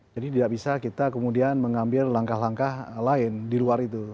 tidak bisa kita kemudian mengambil langkah langkah lain di luar itu